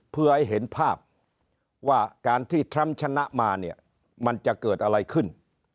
เพื่อให้เห็นภาพว่าการที่ทรัมป์ชนะมาเนี่ยมันจะเกิดอะไรขึ้น